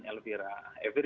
bukti dipercaya dengan elvira